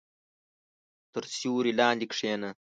• تر سیوري لاندې کښېنه.